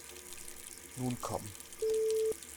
Nun komm!